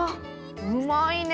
うまいね！